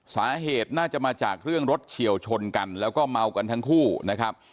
สาเหตุน่าจะมาจากเรื่องรถเฉียวชนกันแล้วก็เมากันทั้งคู่นะครับ